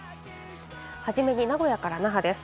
初めに名古屋から那覇です。